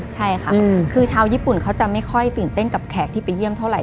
ใช่ค่ะคือชาวญี่ปุ่นเขาจะไม่ค่อยตื่นเต้นกับแขกที่ไปเยี่ยมเท่าไห